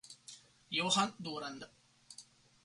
Johann Durand